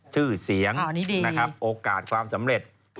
ชื่อเสียงโอกาสความสำเร็จ